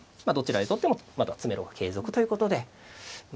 どちらで取ってもまだ詰めろが継続ということで。